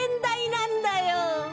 なんだよ！